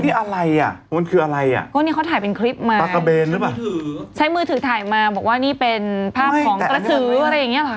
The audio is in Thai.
นี่อะไรอ่ะมันคืออะไรอ่ะก็นี่เขาถ่ายเป็นคลิปมาใช้มือถือถ่ายมาบอกว่านี่เป็นภาพของกระสืออะไรอย่างนี้หรอคะ